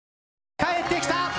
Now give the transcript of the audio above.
帰ってきた！